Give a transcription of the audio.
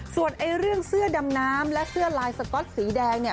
ส่วนเรื่องเสื้อดำน้ำและเสื้อลายสก๊อตสีแดงเนี่ย